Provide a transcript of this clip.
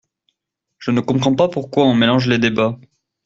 Je ne comprends pas pourquoi on mélange les débats.